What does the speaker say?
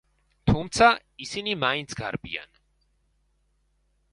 თუმცა ისინი მაინც გარბიან.